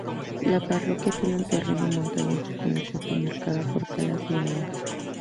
La parroquia tiene un terreno montañoso, con la costa marcada por calas y bahías.